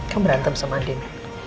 kamu berantem sama andin